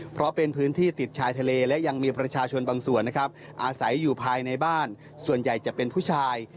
เพราะเป็นพื้นที่ติดชายทะเลและยังมีประชาชนบางส่วนนะครับอาศัยอยู่ภายในบ้านส่วนใหญ่จะเป็นผู้ชาย